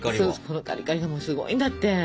このカリカリがもうすごいんだって！